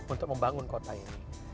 untuk membangun kota ini